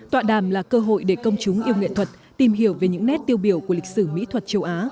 tọa đàm là cơ hội để công chúng yêu nghệ thuật tìm hiểu về những nét tiêu biểu của lịch sử mỹ thuật châu á